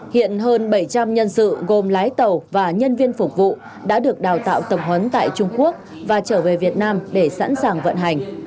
hiện hơn bảy trăm linh nhân sự gồm lái tàu và nhân viên phục vụ đã được đào tạo tập huấn tại trung quốc và trở về việt nam để sẵn sàng vận hành